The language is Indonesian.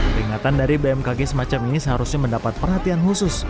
peringatan dari bmkg semacam ini seharusnya mendapat perhatian khusus